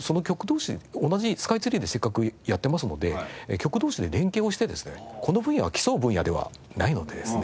同士同じスカイツリーでせっかくやってますので局同士で連携をしてですねこの分野は競う分野ではないのでですね